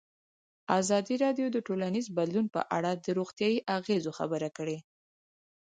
ازادي راډیو د ټولنیز بدلون په اړه د روغتیایي اغېزو خبره کړې.